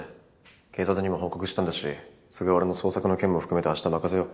警察にも報告したんだし菅原の捜索の件も含めて明日任せよう。